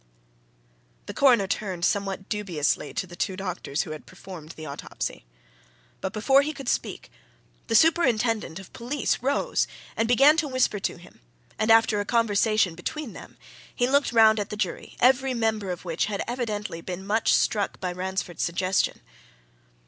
The Coroner turned, somewhat dubiously, to the two doctors who had performed the autopsy. But before he could speak, the superintendent of police rose and began to whisper to him, and after a conversation between them, he looked round at the jury, every member of which had evidently been much struck by Ransford's suggestion.